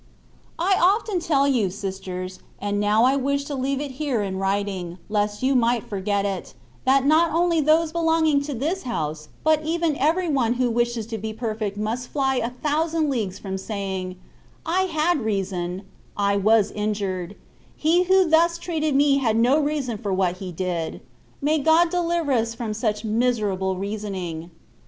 I OFTEN tell you, sisters, and now I wish to leave it here in writing, lest you might forget it, that not only those belonging to this house, but even every one who wishes to be perfect must fly a thousand leagues from saying,* " I had rea son — ^I was injured — ^he who thus treated me had no reason for what he did :^^ may God deliver us from such miserable reasoning.